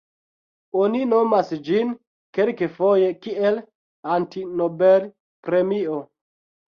Oni nomas ĝin kelkfoje kiel "Anti-Nobelpremio".